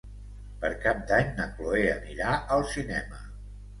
Per Cap d'Any na Chloé anirà al cinema.